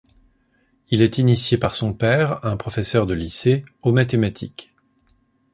Il est initié par son père, un professeur de lycée, aux mathématiques.